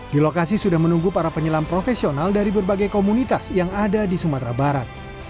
di lokasi sudah menunggu para penyelam profesional dari berbagai komunitas yang ada di sumatera barat